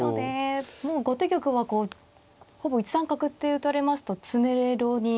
もう後手玉はこうほぼ１三角って打たれますと詰めろになってますよね。